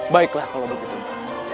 baiklah kalau begitu barat